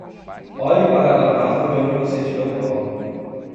Olhe para a garrafa de onde você tirou o pó.